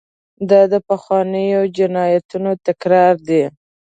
دا د پخوانیو جنایاتو تکرار دی.